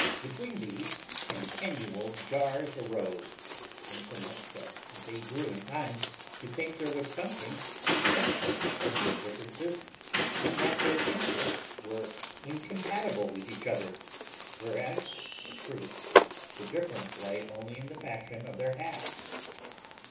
Between these, continual jars arose, insomuch that they grew in time to think there was something essential in their differences, and that their interests were incompatible with each other, whereas, in truth, the difference lay only in the fashion of their hats.